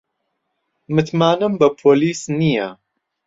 متمانەم بە پۆلیس نییە.